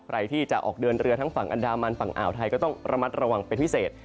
ใครที่จะออกเดินเรือทั้งฝั่งอันดามันฝั่งอ่าวไทยก็ต้องระมัดระวังเป็นพิเศษ